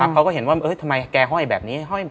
เขาก็เห็นว่าทำไมแกห้อยแบบนี้